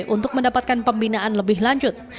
untuk mendapatkan pembinaan lebih lanjut